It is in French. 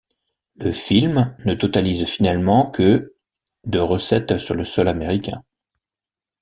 Le film ne totalise finalement que de recettes sur le sol américain.